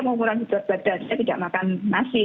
mau mengurangi kebadan saya tidak makan nasi